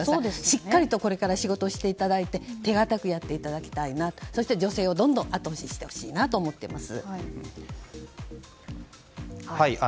しっかりとこれから仕事をしていただいて手堅くやっていただきたいなそれから女性をどんどんと後押ししてほしいなと思います。